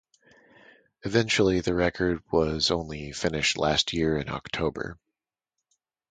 Eventually the record was only finished last year in October.